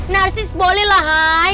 narsis boleh lah hai